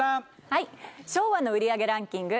はい昭和の売り上げランキング